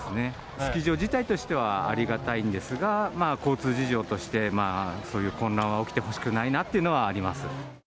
スキー場自体としてはありがたいんですが、交通事情として、そういう混乱は起きてほしくないなっていうのはあります。